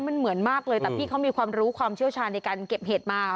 มันเหมือนมากเลยแต่พี่เขามีความรู้ความเชี่ยวชาญในการเก็บเห็ดมา